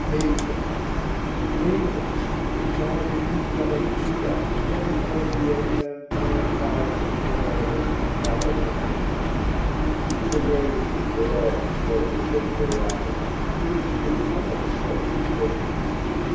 (17) ASA Asa, the son of Abijah of Judah, was a worthier and a more pious ruler than his father had been. He did away with the gross worship of Priapus, (18) to which his mother was devoted.